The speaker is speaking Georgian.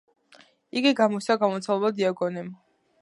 იგი გამოსცა გამომცემლობა „დიოგენემ“.